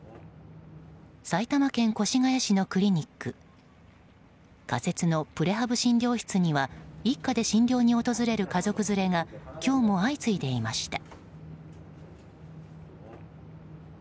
埼玉県越谷市のクリニック仮設のプレハブ診療室には一家で診療に訪れる家族連れが今日も相次いでいました。